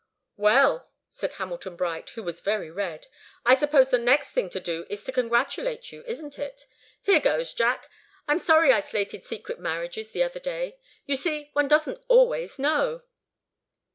"Well," said Hamilton Bright, who was very red, "I suppose the next thing to do is to congratulate you, isn't it? Here goes. Jack, I'm sorry I slated secret marriages the other day. You see, one doesn't always know."